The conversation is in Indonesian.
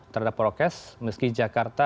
terhadap prokes meski jakarta